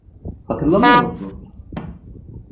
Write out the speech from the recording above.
Hatırlamıyor musunuz?